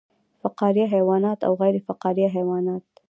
فقاریه حیوانات او غیر فقاریه حیوانات